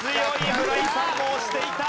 村井さんも押していた！